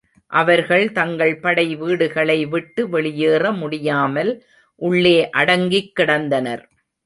அவர்கள் தங்கள் படைவீடுகளை விட்டு வெளியறேமுடியாமல் உள்ளே அடங்கிக் கிடந்தனர்.